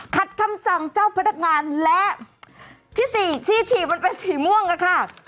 คำสั่งเจ้าพนักงานและที่สี่ที่ฉีกมันเป็นสีม่วงอะค่ะ